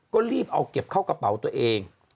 ก็รีบเอาเก็บเข้ากระเป๋าตัวเอง